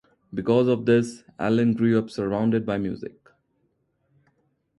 Because of this, Allen grew up surrounded by music.